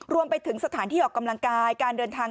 รวมไปถึงสถานที่ออกกำลังกายการเดินทาง